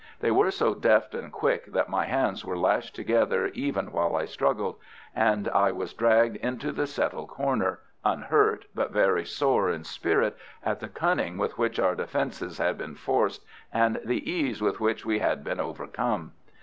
They were so deft and quick that my hands were lashed together even while I struggled, and I was dragged into the settle corner, unhurt but very sore in spirit at the cunning with which our defences had been forced and the ease with which we had been overcome.